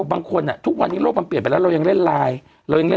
บางคนอ่ะทุกวันนี้โลกมันเปลี่ยนไปแล้วเรายังเล่นไลน์เรายังเล่น